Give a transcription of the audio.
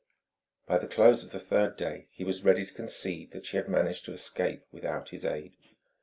By the close of the third day he was ready to concede that she had managed to escape without his aid.